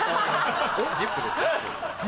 『ＺＩＰ！』です。